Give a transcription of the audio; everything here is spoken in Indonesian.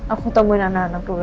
aku temuin anak anak dulu